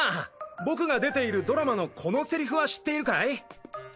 僕が出ているドラマのこのセリフは知っているかい？